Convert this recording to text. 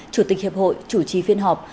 chủ tịch hiệp hội chủ trì phiên họp